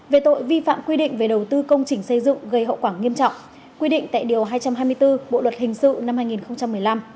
về tội vi phạm quy định về đầu tư công trình xây dựng gây hậu quả nghiêm trọng quy định tại điều hai trăm hai mươi bốn bộ luật hình sự năm hai nghìn một mươi năm